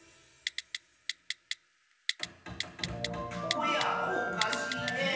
おやおかしいねえ。